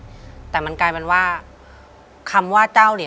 ที่ผ่านมาที่มันถูกบอกว่าเป็นกีฬาพื้นบ้านเนี่ย